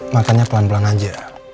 makannya pelan pelan aja